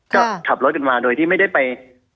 ก็ขับรถกันมาโดยที่ไม่ได้ไป